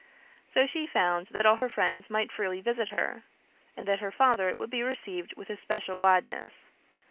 So she found that all her friends might freely visit her, and that her father would be received with especial gladness.